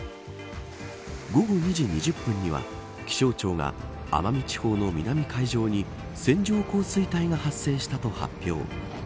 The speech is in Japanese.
午後２時２０分には気象庁が奄美地方の南海上に線状降水帯が発生したと発表。